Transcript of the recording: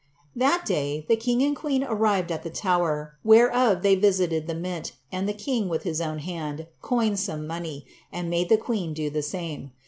That day the king and queen arrived at the Tower, whereof they visited the Mint, and the king, with his own hand, coined some money, and made the queen do the same.